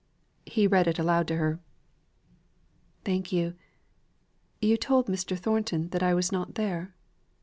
He read it aloud to her. "Thank you. You told Mr. Thornton that I was not there?"